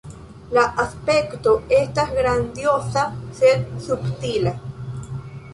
La aspekto estas grandioza sed subtila.